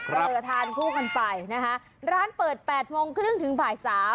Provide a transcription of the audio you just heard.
ก็ทานคู่กันไปนะคะร้านเปิด๘โมงครึ่งถึงบ่ายสาม